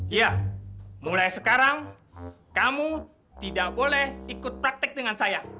ya mulai sekarang kamu tidak boleh ikut praktek dengan saya